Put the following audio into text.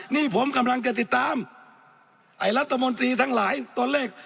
นี่ผมกำลังจะติดตามไอ้รัฐมนตรีทั้งหลายตัวเลข